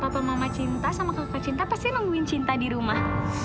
papa mama cinta sama kakak cinta pasti nungguin cinta di rumah